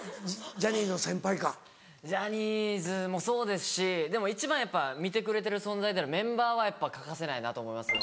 ジャニーズもそうですしでも一番やっぱ見てくれてる存在であるメンバーは欠かせないなと思いますね。